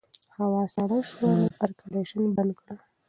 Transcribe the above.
هوا سړه شوه نو اېرکنډیشن بند کړه.